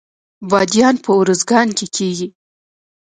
بادیان په ارزګان کې کیږي